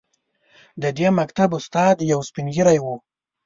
د دې مکتب استاد یو سپین ږیری و.